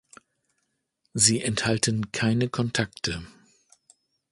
Sie enthalten keine Kontakte.